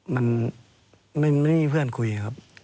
มันไม่มีเพื่อนคุยครับ